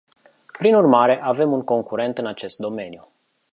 Prin urmare, avem un concurent în acest domeniu.